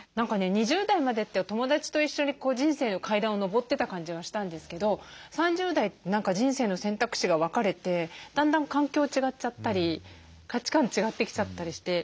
２０代までって友だちと一緒に人生の階段を上ってた感じがしたんですけど３０代何か人生の選択肢が分かれてだんだん環境違っちゃったり価値観違ってきちゃったりして。